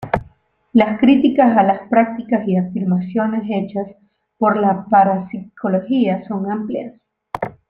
Las críticas a las prácticas y afirmaciones hechas por la parapsicología son amplias.